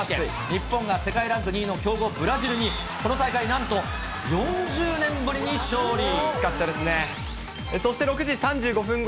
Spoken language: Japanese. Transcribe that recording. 日本が世界ランク２位の強豪、ブラジルにこの大会、なんと４０年ぶりに勝利。